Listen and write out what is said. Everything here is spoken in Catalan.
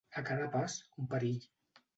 A cada pas, un perill.